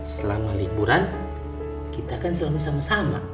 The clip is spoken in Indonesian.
selama liburan kita kan selalu sama sama